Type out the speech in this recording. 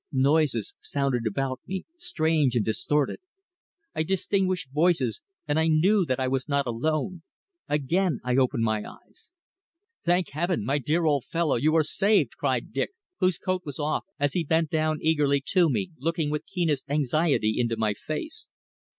Noises sounded about me, strange and distorted. I distinguished voices, and I knew that I was not alone. Again I opened my eyes. "Thank Heaven! my dear old fellow, you are saved!" cried Dick, whose coat was off, as he bent down eagerly to me, looking with keenest anxiety into my face.